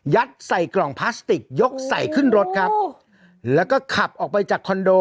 ใส่กล่องพลาสติกยกใส่ขึ้นรถครับแล้วก็ขับออกไปจากคอนโด